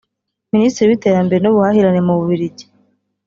Minisitiri w’iterambere n’ubuhahirane mu Bubiligi